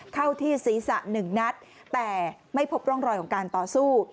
เข้าที่ศีรษะหนึ่งนัดแต่ไม่พบร่องรอยของการต่อสู้